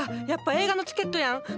やっぱ映画のチケットやん。